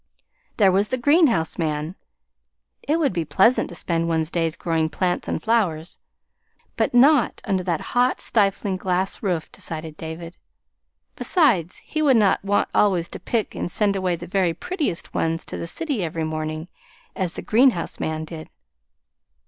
There was the greenhouse man. It would be pleasant to spend one's day growing plants and flowers but not under that hot, stifling glass roof, decided David. Besides, he would not want always to pick and send away the very prettiest ones to the city every morning, as the greenhouse man did.